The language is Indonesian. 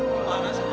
aku masuk duluan ya